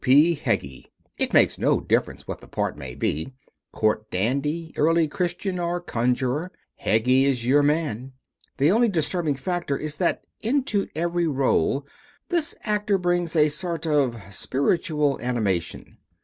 P. Heggie. It makes no difference what the part may be, court dandy, early Christian or conjuror, Heggie is your man. The only disturbing factor is that into every rôle this actor brings a sort of spiritual animation.